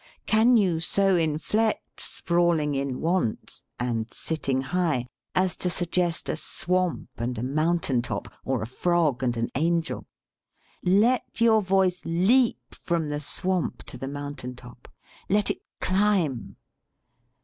Can you so inflect "sprawling in want" and "sitting high " as to suggest a swamp and a mountain top, or a frog and an angel? Let your voice leap from the swamp to the mountain top. Let it climb.